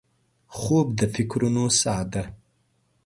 خوب د فکرونو سا ده